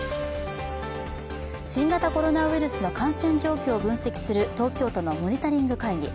新型コロナウイルスの感染状況を分析する東京都のモニタリング会議。